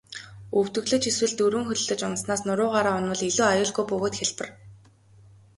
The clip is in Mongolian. Өвдөглөж эсвэл дөрвөн хөллөж унаснаас нуруугаараа унавал илүү аюулгүй бөгөөд хялбар.